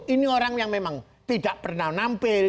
ini orang yang memang tidak pernah nampil